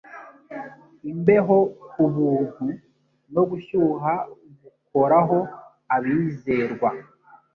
imbeho kubuntu no gushyuha gukoraho abizerwa